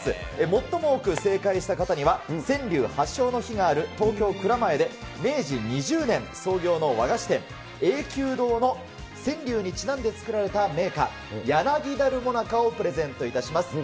最も多く正解した方には、川柳発祥の碑がある東京・蔵前で、明治２０年創業の和菓子店、榮久堂の川柳にちなんで作られた銘菓、柳多留もなかをプレゼントいたします。